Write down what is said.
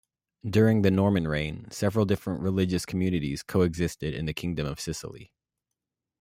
During the Norman reign, several different religious communities coexisted in the Kingdom of Sicily.